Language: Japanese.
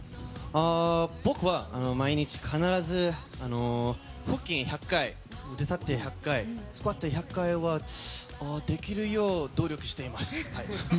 僕は毎日必ず腹筋１００回、腕立て１００回スクワット１００回はできるよう努力しています。